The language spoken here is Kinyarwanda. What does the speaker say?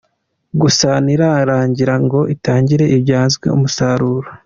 gusa ntirarangira ngo itangire ibyazwe umusaruro.